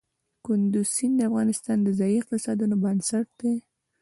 کندز سیند د افغانستان د ځایي اقتصادونو بنسټ دی.